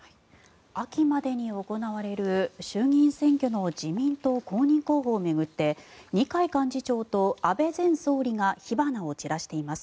秋までに行われる衆議院選挙の自民党公認候補を巡って二階幹事長と安倍前総理が火花を散らしています。